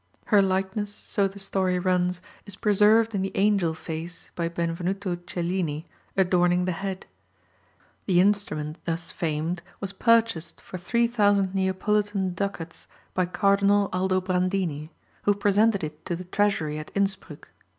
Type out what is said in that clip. Her likeness, so the story runs, is preserved in the angel face, by Benevenuto Cellini, adorning the head. The instrument thus famed was purchased for 3,000 Neapolitan ducats by Cardinal Aldobrandini, who presented it to the treasury at Innsprück.